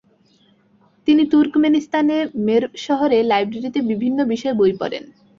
তিনি তুর্কমেনিস্তান এ মেরভ শহরে লাইব্রেরিতে বিভিন্ন বিষয়ে বই পড়েন ।